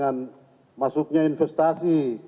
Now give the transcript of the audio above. kami tidak keberanian